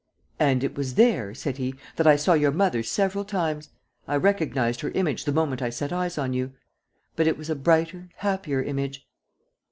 ..." "And it was there," said he, "that I saw your mother several times. ... I recognized her image the moment I set eyes on you ... but it was a brighter, happier image."